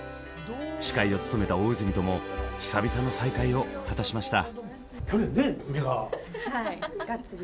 司会を務めた大泉とも久々の再会を果たしました。